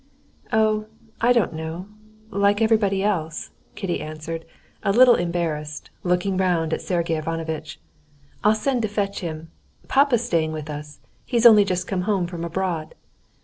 "Oh, I don't know, like everybody else," Kitty answered, a little embarrassed, looking round at Sergey Ivanovitch. "I'll send to fetch him. Papa's staying with us. He's only just come home from abroad."